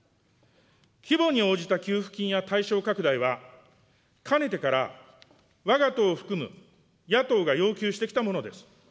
規模に応じた給付金や対象拡大は、かねてからわが党を含む野党が要求してきたものです。